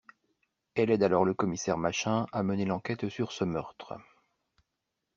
Elle aide alors le commissaire Machin à mener l'enquête sur ce meurtre.